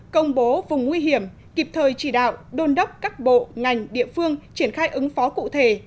công bố vùng nguy hiểm kịp thời chỉ đạo đôn đốc các bộ ngành địa phương triển khai ứng phó cụ thể